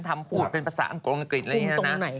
ทำพูดเป็นภาษาอังกฤษอะไรอย่างนี้นะ